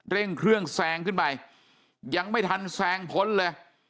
เร่งเครื่องแซงขึ้นไปยังไม่ทันแซงพ้นเลย